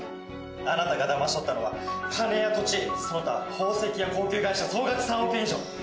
あなたが騙し取ったのは金や土地その他宝石や高級外車総額３億円以上。